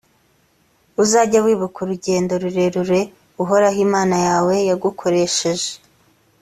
uzajye wibuka urugendo rurerure uhoraho imana yawe yagukoresheje